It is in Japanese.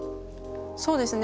そうですね。